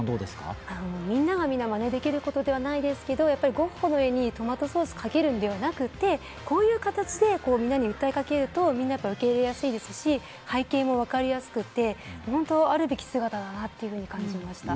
みんながみんな、まねできることではないですけど、ゴッホの絵にトマトソースかけるんではなくて、こういう形でみんなに訴えかけると背景もわかりやすくて、あるべき姿だなと感じました。